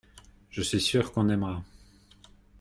Je suis sûr qu’on aimera.